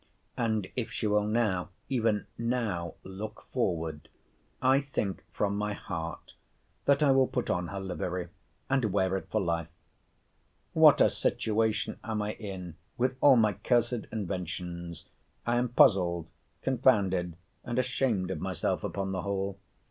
And if she will now, even now, look forward, I think, from my heart, that I will put on her livery, and wear it for life. What a situation am I in, with all my cursed inventions! I am puzzled, confounded, and ashamed of myself, upon the whole.